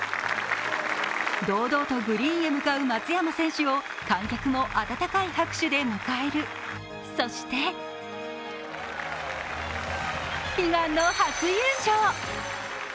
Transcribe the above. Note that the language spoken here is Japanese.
堂々とグリーンへ向かう松山選手を観客も温かい拍手で迎えるそして悲願の初優勝。